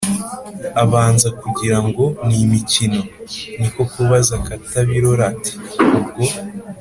abanza kugira ngo ni imikino. Ni ko kubaza Katabirora ati: “Ubwo